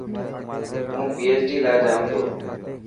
هون PHD لاءِ جائون تو.